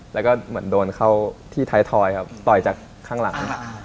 แล้วก็เหมือนโดนเข้าที่ท้ายทอยครับต่อยจากข้างหลัง